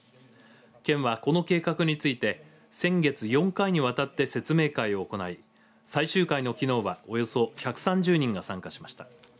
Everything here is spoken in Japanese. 県は、この計画について先月、４回にわたって説明会を行い最終回のきのうはおよそ１３０人が参加しました。